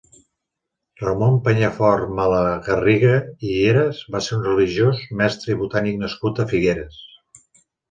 Ramón Penyafort Malagarriga i Heras va ser un religiós, mestre i botànic nascut a Figueres.